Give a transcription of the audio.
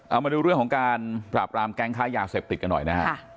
เอามาดูเรื่องของการปราบรามแก๊งค้ายาเสพติดกันหน่อยนะฮะ